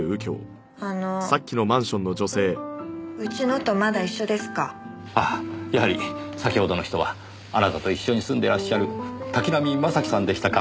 ああやはり先ほどの人はあなたと一緒に住んでらっしゃる滝浪正輝さんでしたか。